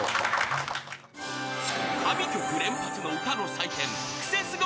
［神曲連発の歌の祭典］